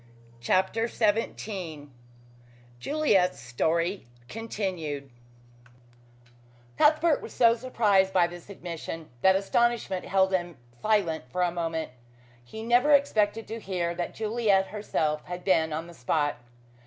CHAPTER XVII JULIET'S STORY CONTINUED Cuthbert was so surprised by this admission that astonishment held him silent for a moment. He never expected to hear that Juliet herself had been on the spot.